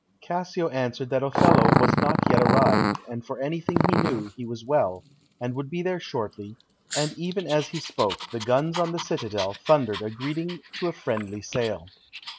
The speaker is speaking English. Cassio answered that Othello was not yet arrived, and for anything he knew he was well, and would be there shortly; and even as he spoke, the guns on the citadel thundered a greeting to a friendly sail.